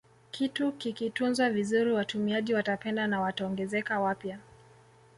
Kitu kikitunzwa vizuri watumiaji watapenda na wataongezeka wapya